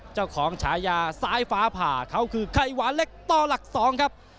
ฉายาซ้ายฟ้าผ่าเขาคือไข่หวานเล็กต่อหลัก๒ครับ